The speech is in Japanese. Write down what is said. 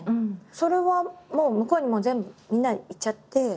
それはもう向こうに全部みんな行っちゃって。